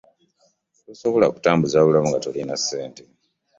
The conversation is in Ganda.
Tosobola kutambuza bulamu nga tolina ssente.